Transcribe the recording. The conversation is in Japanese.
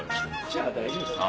じゃあ大丈夫ですね。